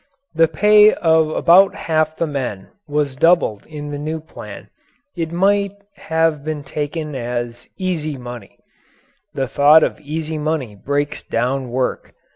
The pay of about half the men was doubled in the new plan; it might have been taken as "easy money." The thought of easy money breaks down work.